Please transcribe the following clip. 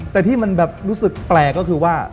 แต่ที่มันแบบรู้สึกแปลกก็คือว่า